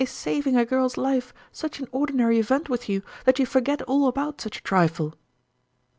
Is saving a girl's life such an ordinary event with you, that you forget all about such a trifle